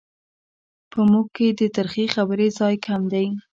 په موږ کې د ترخې خبرې ځای کم دی.